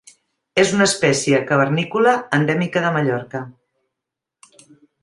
És una espècie cavernícola endèmica de Mallorca.